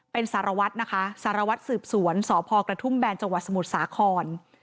เป็นสารวัตรนะคะสารวัตรสืบสวนสพกระทุ่มแบนจังหวัดสมุทรสาคร